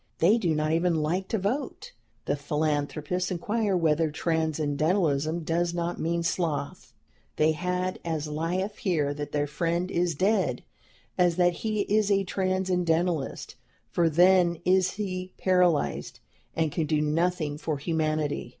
They do not even like to vote. The philanthropists inquire whether Transcendentalism does not mean sloth; they had as lief hear that their friend is dead, as that he is a Transcendentalist; for then is he paralyzed, and can do nothing for humanity."